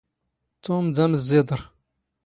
ⵜⵓⵎ ⴷ ⴰⵎⵥⵥⵉⴹⵕ.